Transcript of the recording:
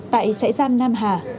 tại chạy giam nam hà